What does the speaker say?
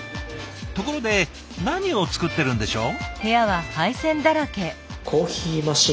ところで何を作ってるんでしょう？